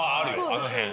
あの辺。